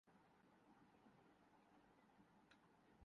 خراب موسم کی صورتحال کی وجہ سے عالمی پیداوار میں کمی کے بڑھتے ہوئے